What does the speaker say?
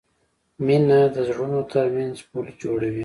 مینه د زړونو ترمنځ پل جوړوي.